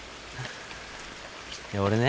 俺ね